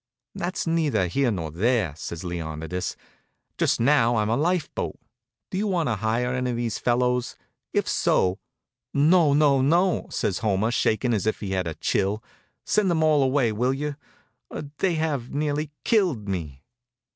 "That's neither here nor there," says Leonidas. "Just now I'm a life boat. Do you want to hire any of those fellows? If so " "No, no, no!" says Homer, shakin' as if he had a chill. "Send them all away, will you? They have nearly killed me."